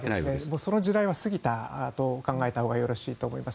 その時代は過ぎたと考えたほうがよろしいかと思います。